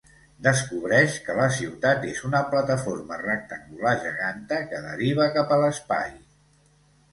Descobreix que la ciutat és una plataforma rectangular geganta que deriva cap a l'espai.